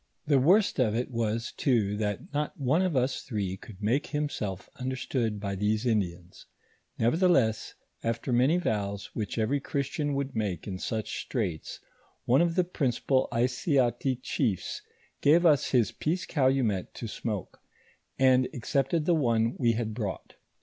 The worst of it was, too, that not one of us three could make himself underatood by thesd Indians ; nevertheless, after many vows, which every Chris tian would make in such straits, one of the principal Issati chiefs gave us his peace calumet to smoke, and accepted the one we had brought.